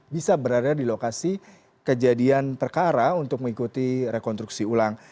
bisa berada di lokasi kejadian perkara untuk mengikuti rekonstruksi ulang